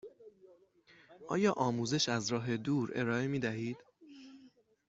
آیا آموزش از راه دور ارائه می دهید؟